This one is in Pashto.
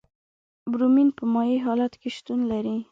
برومین په مایع حالت کې شتون لري.